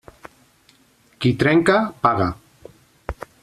Qui trenca, paga.